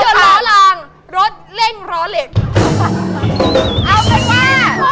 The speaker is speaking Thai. เราก็ผ่านดีกว่า